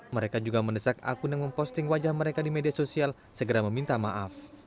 mereka juga mendesak akun yang memposting wajah mereka di media sosial segera meminta maaf